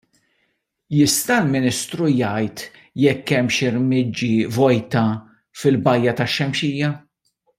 Jista' l-Ministru jgħid jekk hemmx irmiġġi vojta fil-bajja tax-Xemxija?